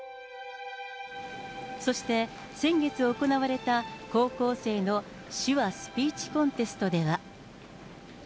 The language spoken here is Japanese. そして、先月行われた高校生の手話スピーチコンテストでは。